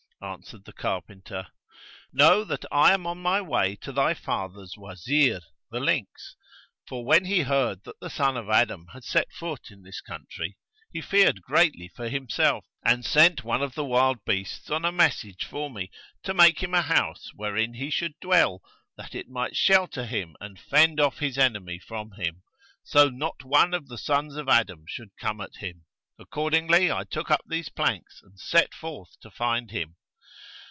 Answered the carpenter, 'Know that I am on my way to thy father's Wazir, the lynx; for when he heard that the son of Adam had set foot in this country he feared greatly for himself and sent one of the wild beasts on a message for me, to make him a house wherein he should dwell, that it might shelter him and fend off his enemy from him, so not one of the sons of Adam should come at him. Accordingly I took up these planks and set forth to find him.'